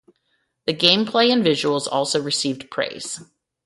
The gameplay and visuals also received praise.